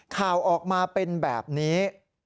ข่าวออกมาเป็นแบบนี้